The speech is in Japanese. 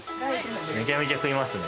めちゃめちゃ食いますね。